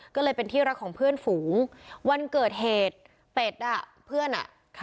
ก็เลยเป็นที่รักของเพื่อนฝูงวันเกิดเหตุเป็ดอ่ะเพื่อนอ่ะ